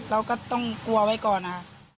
เราก็ต้องกลัวไว้ก่อนค่ะ